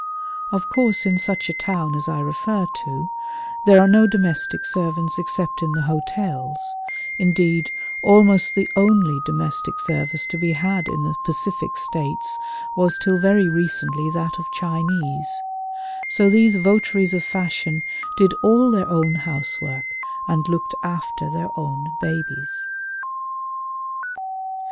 Of course in such a town as I refer to, there are no domestic servants except in the hotels (indeed, almost the only domestic service to be had in the Pacific States was till very recently that of Chinese), so these votaries of fashion did all their own housework and looked after their own babies.